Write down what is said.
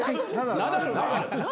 ナダルが？